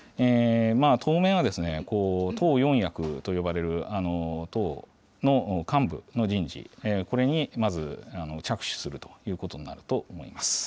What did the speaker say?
当面は、党四役と呼ばれる党の幹部の人事、これにまず着手するということになると思います。